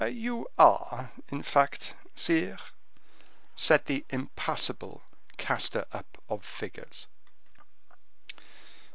"You are, in fact, sire," said the impassible caster up of figures.